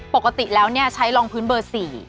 ปกติแล้วใช้รองพื้นเบอร์๔